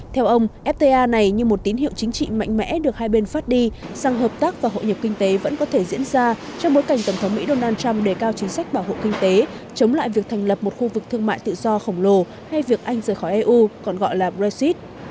theo ông fta này như một tín hiệu chính trị mạnh mẽ được hai bên phát đi rằng hợp tác và hội nhập kinh tế vẫn có thể diễn ra trong bối cảnh tổng thống mỹ donald trump đề cao chính sách bảo hộ kinh tế chống lại việc thành lập một khu vực thương mại tự do khổng lồ hay việc anh rời khỏi eu còn gọi là brexit